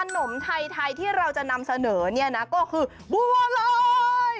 ขนมไทยที่เราจะนำเสนอก็คือบัวลอย